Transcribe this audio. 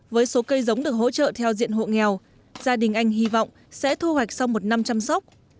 với số cây giống được hỗ trợ theo diện hộ nghèo gia đình anh hy vọng sẽ thu hoạch sau một năm chăm sóc